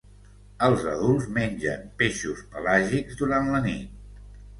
Els adults mengen peixos pelàgics durant la nit.